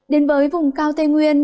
đến với vùng cao tây nguyên